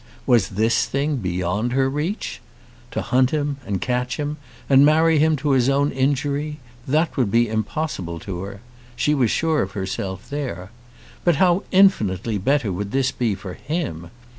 Was this thing beyond her reach? To hunt him, and catch him, and marry him to his own injury, that would be impossible to her. She was sure of herself there. But how infinitely better would this be for him!